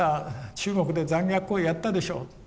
中国で残虐行為やったでしょう。